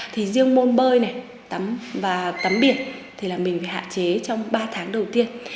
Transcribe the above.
thì riêng môn bơi và tắm biển thì mình phải hạn chế trong ba tháng đầu tiên